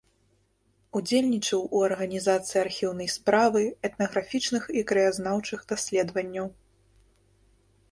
Удзельнічаў у арганізацыі архіўнай справы, этнаграфічных і краязнаўчых даследаванняў.